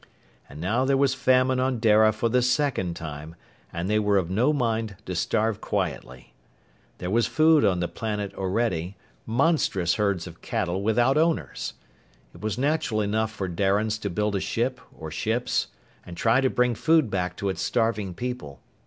And now there was famine on Dara for the second time, and they were of no mind to starve quietly. There was food on the planet Orede, monstrous herds of cattle without owners. It was natural enough for Darians to build a ship or ships and try to bring food back to its starving people.